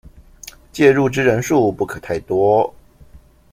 介入之人數不可太多